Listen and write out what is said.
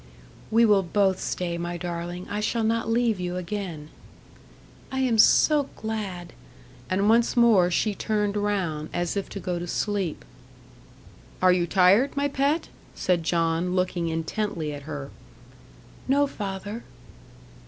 "We will both stay, my darling. I shall not leave you again." "I am so glad;" and once more she turned round, as if to go to sleep. "Are you tired, my pet?" said John, looking intently at her. "No, father."